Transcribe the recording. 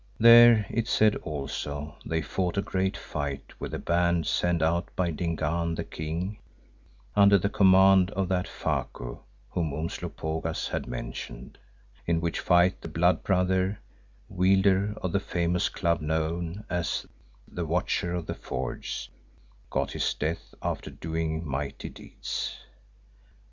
There, it said also, they fought a great fight with a band send out by Dingaan the king under the command of that Faku whom Umslopogaas had mentioned, in which fight the "Blood Brother," wielder of a famous club known as Watcher of the Fords, got his death after doing mighty deeds.